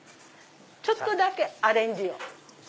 ちょっとだけアレンジを。